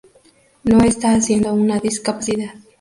No está haciendo una discapacidad.